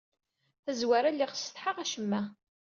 Tazwara lliɣ ssetḥaɣ acemma.